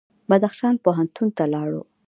بدخشان پوهنتون ته لاړو.